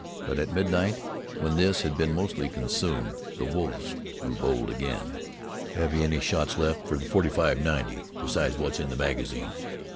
But at midnight, when this had been mostly consumed, the wolves grew bold again. "Have you any shots left for the 45 90, besides what's in the magazine?"